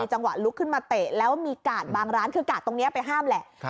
จังหวะลุกขึ้นมาเตะแล้วมีกาดบางร้านคือกาดตรงนี้ไปห้ามแหละ